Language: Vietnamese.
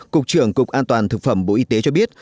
cục trưởng cục an toàn thực phẩm bộ y tế cho biết